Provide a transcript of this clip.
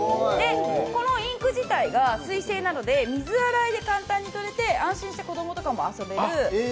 このインク自体が水性なので水洗いで簡単にとれて安心して子供とかも遊べる。